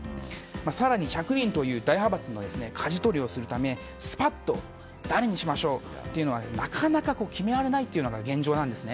更に１００人という大派閥のかじ取りをするためスパッと誰にしましょうというのはなかなか決められないというのが現状なんですね。